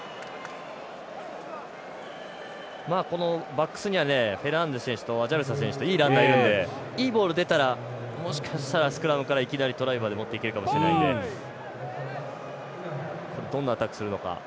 このバックスにはフェルナンデス選手とアジャルサ選手などいますのでいいボールが出たらもしかしたらスクラムからいきなりトライまで持っていけるかもしれないのでどんなアタックするのか。